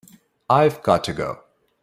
I've got to go.